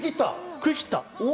食い切った。